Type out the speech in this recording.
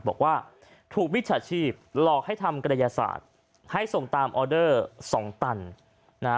บอกว่าถูกวิชาชีพหลอกให้ทำกระยาศาสตร์ให้ส่งตามออเดอร์สองตันนะฮะ